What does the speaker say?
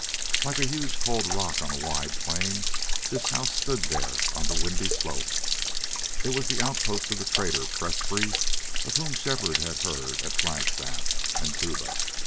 Like a huge cold rock on a wide plain this house stood there on the windy slope. It was an outpost of the trader Presbrey, of whom Shefford had heard at Flagstaff and Tuba.